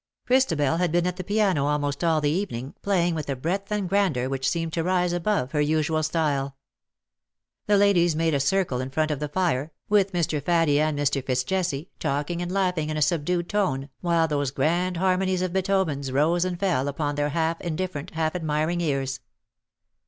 Christabel had been at the piano almost all the evening, playing with a breadth and grandeur which seemed to rise above her usual style. The ladies made a circle in front of the fire, with Mr. Faddie and ^Mr. 246 FitzJesse, talking and laughing in a subdued tone? while those grand harmonies of Beethoven^s rose and fell upon their half indifferent, half admiring ears.